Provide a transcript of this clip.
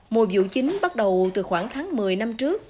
mùa vụ chính bắt đầu từ khoảng tháng một mươi năm trước